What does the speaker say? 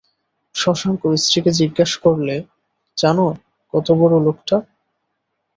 শশাঙ্ক স্ত্রীকে জিজ্ঞাসা করলে, জান কতবড়ো লোকটা।